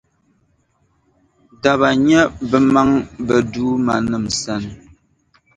daba nya bɛmaŋ’ bɛ duumanim’ sani.